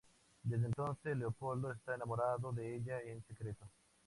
Desde entonces, Leopoldo está enamorado de ella en secreto.